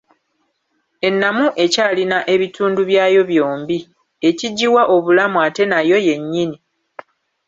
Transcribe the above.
Ennamu ekyalina ebitundu byayo byombi, ekigiwa obulamu ate nayo yennyini.